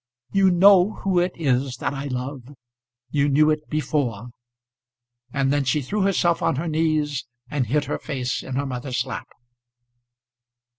You know who it is that I love. You knew it before." And then she threw herself on her knees, and hid her face on her mother's lap.